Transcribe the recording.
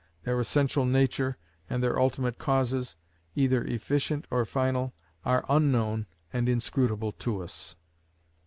Their essential nature, and their ultimate causes, either efficient or final, are unknown and inscrutable to us.